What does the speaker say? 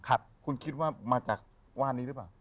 ครับคุณคิดว่ามาจากว่านนี้หรือเปล่า